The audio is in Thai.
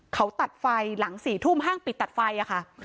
เขาตัดไฟหลังสี่ทุ่มห้างปิดตัดไฟอ่ะค่ะครับ